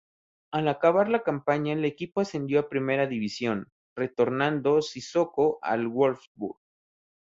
Al acabar la campaña el equipo ascendió a Primera División, retornando Sissoko al Wolfsburg.